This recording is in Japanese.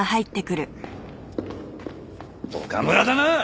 岡村だな！